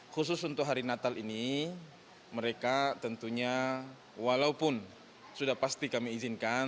khusus untuk hari natal ini mereka tentunya walaupun sudah pasti kami izinkan